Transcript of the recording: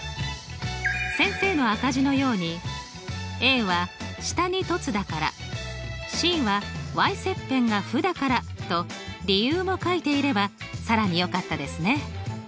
先生の赤字のようには下に凸だからｃは切片が負だ理由も書いていれば更によかったですね。